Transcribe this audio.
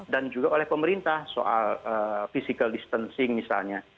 dan juga oleh pemerintah soal physical distancing misalnya